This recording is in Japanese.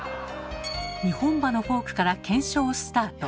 ２本歯のフォークから検証スタート。